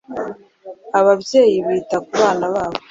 Ababyeyi bita ku bana babo.